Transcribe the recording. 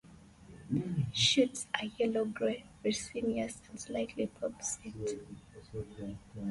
Shoots are yellow-grey, resinous, and slightly pubescent.